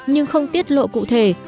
nhưng không tiết lộ cụ thể